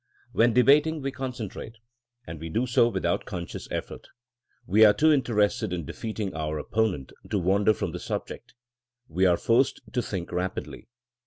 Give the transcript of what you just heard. When debating we concentrate, and we do so without conscious effort. We are too interested in defeating our opponent to wander from the subject. We are forced to think rapidly.